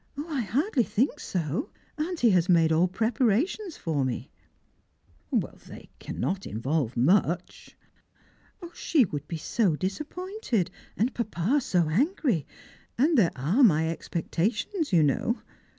"I hardly think so; auntie has made all preparations for me. " They cannot involve much." " She would be so disappointed, and papa so angry ; and there are my expectations, you know.